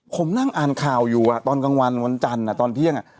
ผมนั่งอ่านข่าวอยู่ตอนกลางวันวันจันทร์ตอนเที่ยง